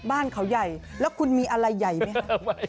บ้านเขาใหญ่แล้วคุณมีอะไรใหญ่ไหมคะ